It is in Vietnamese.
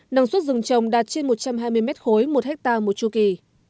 năng suất rừng trồng đạt trên một trăm hai mươi mét khối một hectare mùa chu kỳ